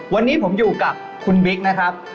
วันนี้ผมอยู่กับคุณบิ๊กนะครับ